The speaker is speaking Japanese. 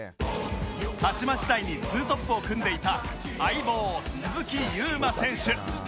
鹿島時代に２トップを組んでいた相棒鈴木優磨選手